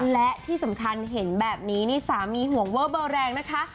และที่สำคัญเห็นแบบนี้นี่สามีห่วงเวอร์เบอร์แรงนะคะ